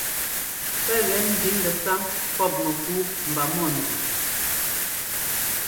Pɛ́ gɛ ḿbi ŋgɛsáŋ pɔ́p mɛkúu mba mɔ̂nzu.